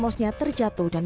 masalahnya ada touchwiz nose